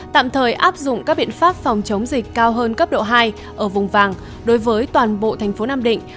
tạm thời áp dụng các biện pháp phòng chống dịch cao hơn cấp độ hai ở vùng vàng đối với toàn bộ thành phố nam định